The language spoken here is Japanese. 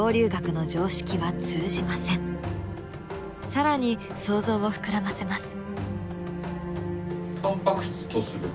更に想像を膨らませます。